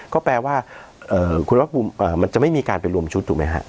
ก็แปลว่าคุณภาคภูมิมันจะไม่มีการไปรวมชุดถูกไหมฮะ